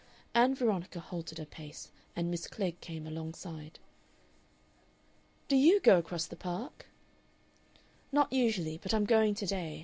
Ann Veronica halted a pace, and Miss Klegg came alongside. "Do YOU go across the Park?" "Not usually. But I'm going to day.